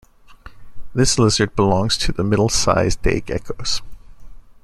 This lizard belongs to the middle-sized day geckos.